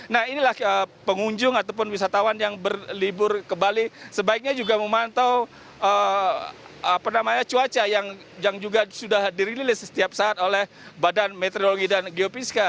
nah inilah pengunjung ataupun wisatawan yang berlibur ke bali sebaiknya juga memantau cuaca yang juga sudah dirilis setiap saat oleh badan meteorologi dan geopiska